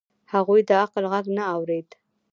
هغوی د عقل غږ نه اورېد.